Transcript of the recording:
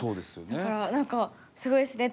だからなんかすごいですね。